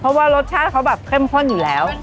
เพราะว่ารสชาติเขาแบบเข้มข้นอยู่แล้ว